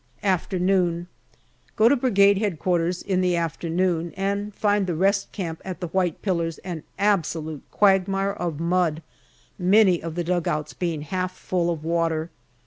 Afternoon. Go to Brigade H.Q. in the afternoon and find the rest camp at the white pillars an absolute quagmire of mud, many of the dugouts being half full of water.